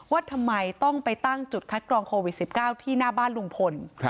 ว่าทำไมต้องไปตั้งจุดคัดกรองโควิด๑๙ที่หน้าบ้านลุงพล